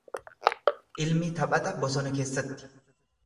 Ilmi taphata bosona keessatti.